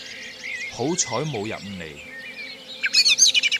好彩冇入嚟